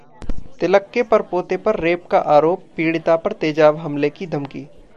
तिलक के परपोते पर रेप का आरोप, पीड़िता पर तेजाब हमले की धमकी